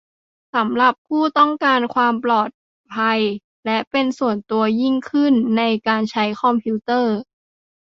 สำหรับผู้ต้องการความปลอดภัยและเป็นส่วนตัวยิ่งขึ้นในการใช้คอมพิวเตอร์